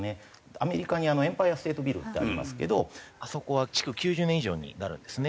アメリカにエンパイア・ステート・ビルってありますけどあそこは築９０年以上になるんですね。